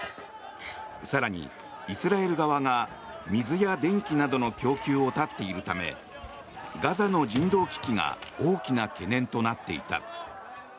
更に、イスラエル側が水や電気などの供給を断っているためガザの人道危機が大きな懸念となっていた。